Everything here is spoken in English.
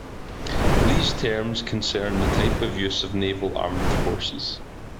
These terms concern the type of use of naval armed forces.